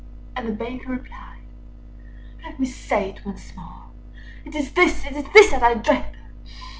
And the Baker replied "Let me say it once more. Â Â Â Â It is this, it is this that I dread!